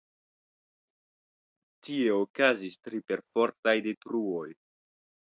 Tie okazis tri perfortaj detruoj.